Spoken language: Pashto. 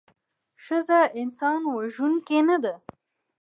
ښځه انسان وژوونکې نده